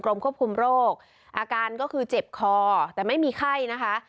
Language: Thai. ควบคุมโรคอาการก็คือเจ็บคอแต่ไม่มีไข้นะคะ